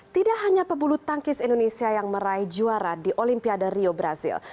tidak hanya pebulu tangkis indonesia yang meraih juara di olimpiade rio brazil